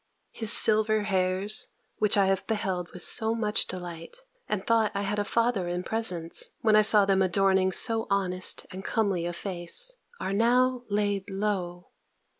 his silver hairs, which I have beheld with so much delight, and thought I had a father in presence, when I saw them adorning so honest and comely a face, are now laid low!